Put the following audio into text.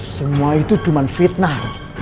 semua itu cuma fitnah